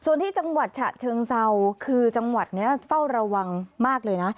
ส่วนที่จังหวัดฉะเชิงเซาคือจังหวัดนี้เฝ้าระวังมากเลยนะ